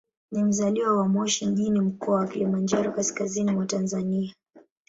Ni mzaliwa wa Moshi mjini, Mkoa wa Kilimanjaro, kaskazini mwa Tanzania.